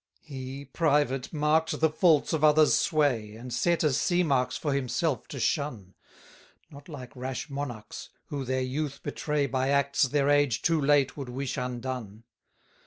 9 He, private, mark'd the faults of others' sway, And set as sea marks for himself to shun: Not like rash monarchs, who their youth betray By acts their age too late would wish undone.